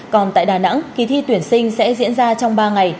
còn tại đà nẵng kỳ thi tuyển sinh sẽ diễn ra trong ba ngày